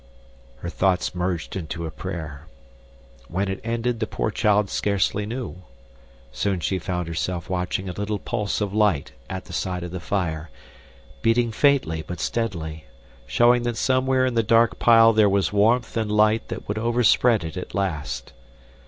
Her thoughts merged into a prayer. When it ended the poor child scarcely knew. Soon she found herself watching a little pulse of light at the side of the fire, beating faintly but steadily, showing that somewhere in the dark pile there was warmth and light that would overspread it at last.